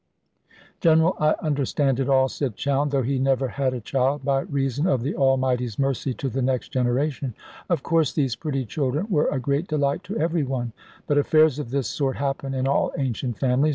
"General, I understand it all," said Chowne, though he never had a child, by reason of the Almighty's mercy to the next generation: "of course these pretty children were a great delight to every one. But affairs of this sort happen in all ancient families.